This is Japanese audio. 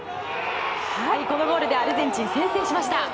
このゴールでアルゼンチンが先制しました。